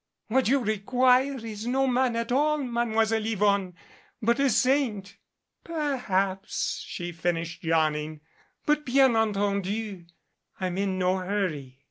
"What you require is no man at all. Mademoiselle Yvonne, but a saint." "Perhaps," she finished, yawning. "But, bien entendu, I'm in no hurry."